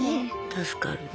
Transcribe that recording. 助かるね。